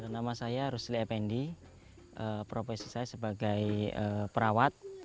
nama saya rusli effendi profesi saya sebagai perawat